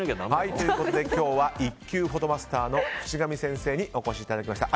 ということで今日は１級フォトマスターの渕上先生にお越しいただきました。